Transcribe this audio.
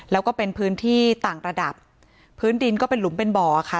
แล้วก็เป็นพื้นที่ต่างระดับพื้นดินก็เป็นหลุมเป็นบ่อค่ะ